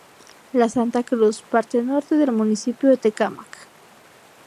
La Santa Cruz: parte norte del municipio de Tecámac.